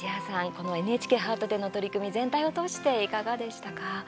このＮＨＫハート展の取り組み全体を通して、いかがでしたか。